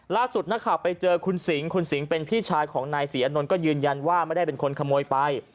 ล่าสุดนักข่าวไปเจอคุณสิงคุณสิงห์เป็นพี่ชายของนายศรีอานนท์ก็ยืนยันว่าไม่ได้เป็นคนขโมยไป